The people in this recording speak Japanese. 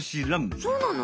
そうなの？